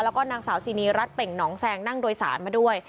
แล้วก็นางสาวซีนีรัฐเป่งหนองแซงนั่งโดยสารมาด้วย